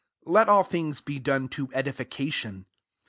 Let alt things be done to edification.